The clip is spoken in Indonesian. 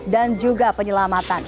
dan juga penyelamatan